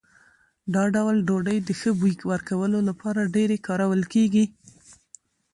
دا ډول ډوډۍ د ښه بوی ورکولو لپاره ډېرې کارول کېږي.